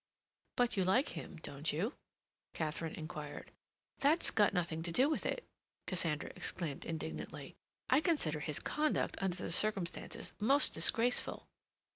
"But you like him, don't you?" Katharine inquired. "That's got nothing to do with it," Cassandra exclaimed indignantly. "I consider his conduct, under the circumstances, most disgraceful."